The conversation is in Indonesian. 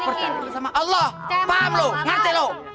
percayalah sama allah paham lu ngerti lu